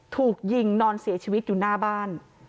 ถูกยิงนอนเสียชีวิตอยู่หน้าบ้าน